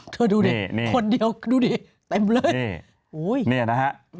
เธอดูดิคนเดียวดูดิเต็มเลยเนี่ยนะฮะ